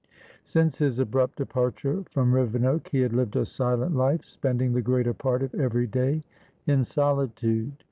Since his abrupt departure from Rivenoak, he had lived a silent life, spending the greater part of every day in solitude.